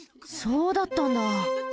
そうだったんだ。